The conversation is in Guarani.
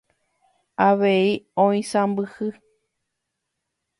Avei oisãmbyhy.